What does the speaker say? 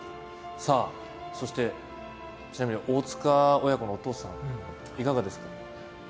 ちなみに大塚親子のお父さんいかがですか？